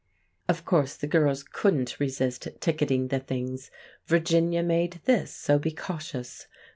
Of course the girls couldn't resist ticketing the things "Virginia made this, so be cautious!